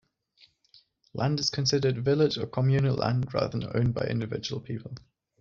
Land is considered village or communal land rather than owned by individual people.